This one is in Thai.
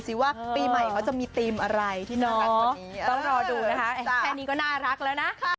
คิดว่าหรือใหม่ก็จะมีทีมอะไรทีนองต้องรอดูนะครับแค่นี้ก็น่ารักแล้วนะ